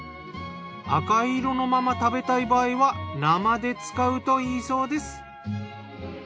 赤い色のまま食べたい場合は生で使うといいそうです。